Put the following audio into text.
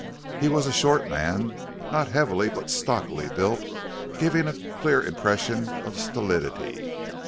He was a short man, not heavily, but stockily built, giving a clear impression of stolidity.